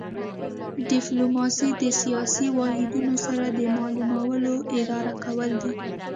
ډیپلوماسي د سیاسي واحدونو سره د معاملو اداره کول دي